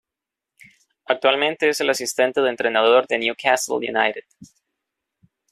Actualmente es el asistente de entrenador del Newcastle United.